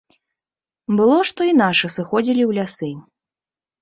Было, што і нашы сыходзілі ў лясы.